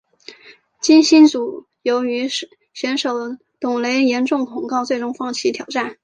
金星组由于选手董蕾严重恐高最终放弃挑战。